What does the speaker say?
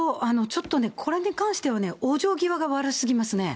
ちょっとね、これに関してはね、往生際が悪すぎますね。